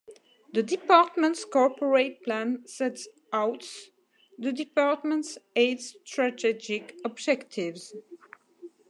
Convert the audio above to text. The department's Corporate Plan sets outs the department's eight strategic objectives.